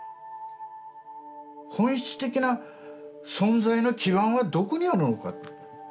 本質的な存在の基盤はどこにあるのか。